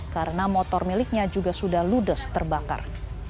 karena motor miliknya juga sudah ludes terbakar